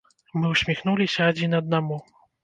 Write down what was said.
Мы ўсміхнуліся адзін аднаму.